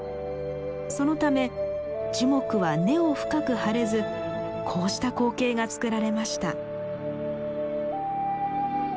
そのため樹木は根を深く張れずこうした光景がつくられました。